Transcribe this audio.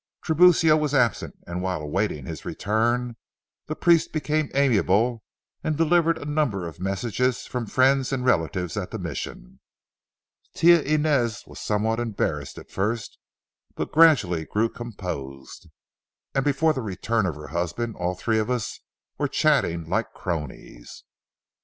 Tiburcio was absent, and while awaiting his return, the priest became amiable and delivered a number of messages from friends and relatives at the Mission. Tia Inez was somewhat embarrassed at first, but gradually grew composed, and before the return of her husband all three of us were chatting like cronies.